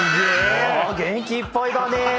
元気いっぱいだね。